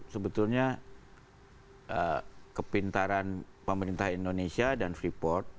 sebetulnya kepintaran pemerintah indonesia dan free port